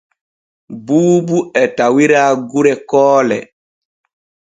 Buubu e tawira gure Koole.